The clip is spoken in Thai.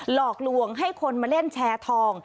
หลอกลวงให้คนมาเล่นแชร์ทอง